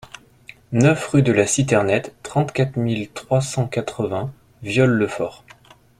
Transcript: neuf rue de la Citernette, trente-quatre mille trois cent quatre-vingts Viols-le-Fort